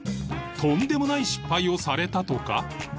とんでもない失敗をされたとか